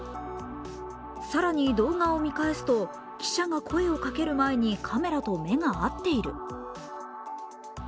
更に動画を見返すと、記者が声をかける前にカメラと目が合っている。